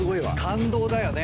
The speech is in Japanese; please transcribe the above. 感動だよね。